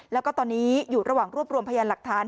แล้วก็ตอนนี้อยู่ระหว่างรวบรวมพยานหลักฐาน